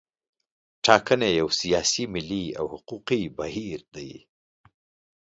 ټاکنې یو سیاسي، ملي او حقوقي بهیر دی.